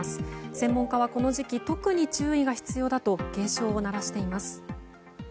専門家は、この時期特に注意が必要だと警鐘を鳴らしています。